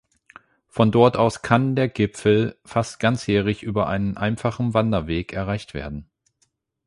Von dort aus kann der Gipfel fast ganzjährig über einen einfachen Wanderweg erreicht werden.